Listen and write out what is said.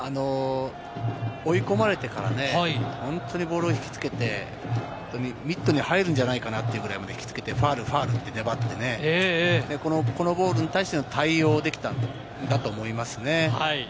追い込まれてからね、本当にボールを引きつけて、ミットに入るんじゃないかなというぐらいまで引きつけて、ファウルで粘ってね、このボールに対しての対応できたんだと思いますね。